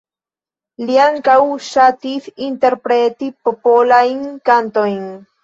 Li ankaŭ ŝatis interpreti popolajn kantojn.